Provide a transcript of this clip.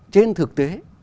trên thực tế